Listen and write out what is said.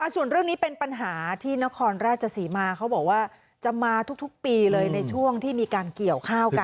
ส่วนเรื่องนี้เป็นปัญหาที่นครราชศรีมาเขาบอกว่าจะมาทุกปีเลยในช่วงที่มีการเกี่ยวข้าวกัน